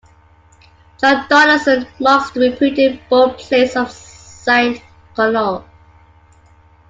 John Donaldson, marks the reputed burial place of Saint Conal.